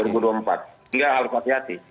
tidak harus hati hati